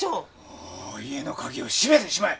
もう家の鍵を閉めてしまえ！